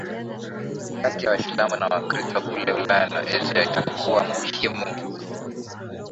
kati ya Waislamu na Wakristo kule Ulaya na Asia Itakuwa muhimu